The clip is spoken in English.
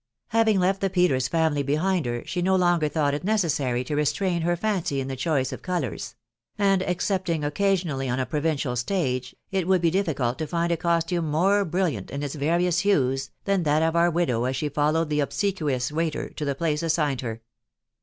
Having left the Peters family behind her, she no longer thought it necessary to restrain her fancy in the choice of colours; and, excepting occasionally on a provincial stagey it would be difficult to find a costume more brilliant in its various hues than that of our widow as she followed the ob sequious waiter to the place assigned her.